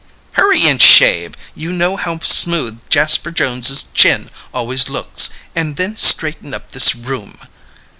"Hurry and shave, you know how smooth Jasper Jones' chin always looks, and then straighten up this room."